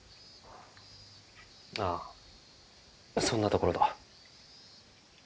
ああそんなところだ。